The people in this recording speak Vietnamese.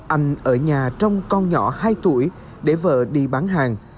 anh ở nhà trong con nhỏ hai tuổi để vợ đi bán hàng